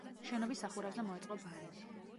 შენობის სახურავზე მოეწყო ბარი.